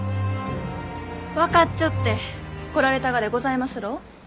分かっちょって来られたがでございますろう？